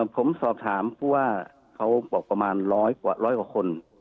ผมสอบถามว่าเขาบอกประมาณ๑๐๐กว่า๑๐๐กว่าคน